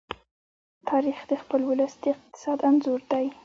تاریخ د خپل ولس د اقتصاد انځور دی.